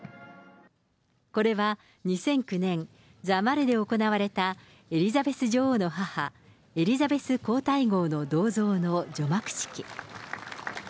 これは２００９年、ザ・マルで行われたエリザベス女王の母、エリザベス皇太后の銅像の除幕式。